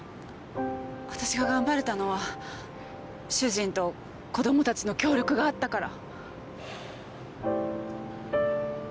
私が頑張れたのは主人と子供たちの協力があったから。